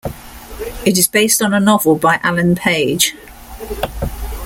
It is based on a novel by Alain Page.